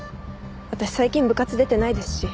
私最近部活出てないですし。